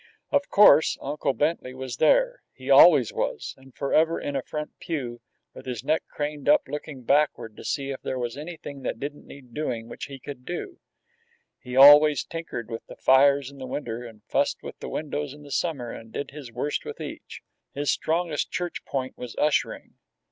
Of course, Uncle Bentley was there he always was, and forever in a front pew, with his neck craned up looking backward to see if there was anything that didn't need doing which he could do. He always tinkered with the fires in the winter and fussed with the windows in the summer, and did his worst with each. His strongest church point was ushering.